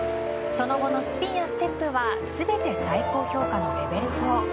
その後のスピンやステップは全て最高評価のレベル